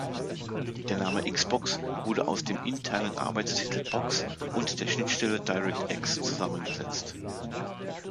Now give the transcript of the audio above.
Der Name „Xbox“ wurde aus dem internen Arbeitstitel „Box“ und der Schnittstelle „DirectX“ zusammengesetzt.